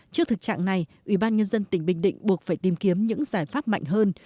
trước thực trạng này ủy ban nhân dân tỉnh bình định buộc phải tìm kiếm những giải pháp mạnh hơn